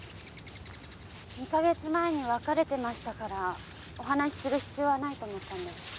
２か月前に別れてましたからお話しする必要はないと思ったんです。